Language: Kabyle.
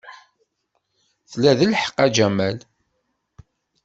Tla lḥeqq, a Jamal.